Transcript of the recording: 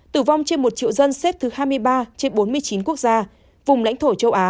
tử vong trên một triệu dân xếp thứ hai mươi ba trên bốn mươi chín quốc gia vùng lãnh thổ châu á xếp thứ bốn asean